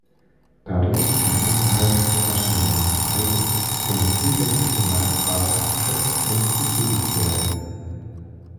Dadurch kann unterhalb des herrschenden Marktpreises eine zusätzliche Nachfrage abgeschöpft und befriedigt werden.